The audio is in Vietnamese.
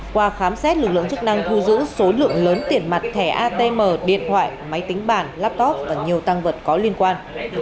qua khám xét lực lượng chức năng thu giữ số lượng lớn tiền mặt thẻ atm điện thoại máy tính bản laptop và nhiều tăng vật có liên quan